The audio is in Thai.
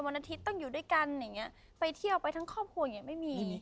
อาทิตย์ต้องอยู่ด้วยกันอย่างเงี้ยไปเที่ยวไปทั้งครอบครัวอย่างเงี้ไม่มี